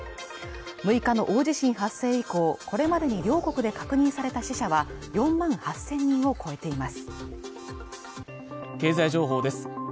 ６日の大地震発生以降、これまでに両国で確認された死者は４万８０００人を超えています。